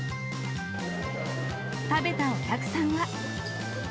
食べたお客さんは。